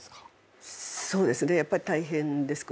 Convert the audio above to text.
そうですねやっぱり大変ですけどね。